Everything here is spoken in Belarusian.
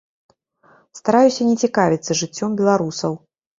Стараюся не цікавіцца жыццём беларусаў.